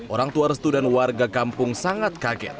orang tua restu dan warga kampung sangat kaget